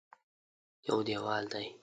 یو دېوال دی.